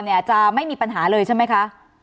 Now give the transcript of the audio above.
เนี่ยจะไม่มีปัญหาเลยใช่ไหมคะ